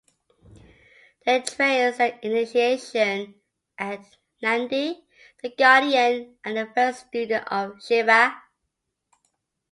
They trace their initiation at Nandi, the guardian and the first student of Shiva.